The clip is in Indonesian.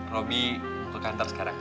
robi ngukul kantor sekarang